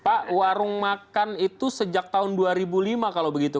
pak warung makan itu sejak tahun dua ribu lima kalau begitu